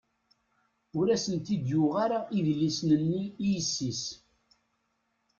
Ur asent-ten-id-yuɣ ara idlisen-nni i yessi-s.